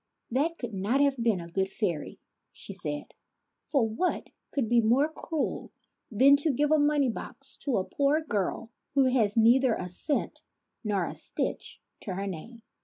" That could not have been a good fairy," she said ;" for what could be more cruel than to give a money box to a poor girl who has neither a cent nor a stitch to her name